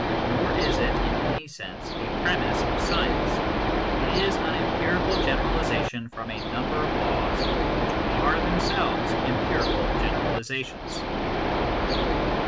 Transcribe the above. Nor is it, in any sense, a premiss of science : it is an empirical generalisation from a number of laws which are them selves empirical generalisations.